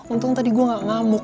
untung tadi gue gak ngamuk